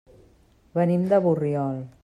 Venim de Borriol.